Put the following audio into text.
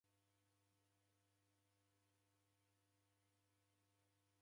Ado, koko kilasi chiyao itanaha?